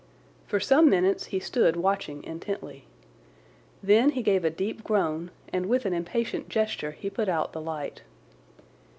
For some minutes he stood watching intently. Then he gave a deep groan and with an impatient gesture he put out the light.